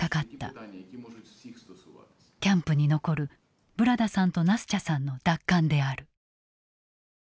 キャンプに残るブラダさんとナスチャさんの奪還である。